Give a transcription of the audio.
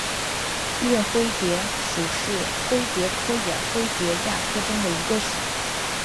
岳灰蝶属是灰蝶科眼灰蝶亚科中的一个属。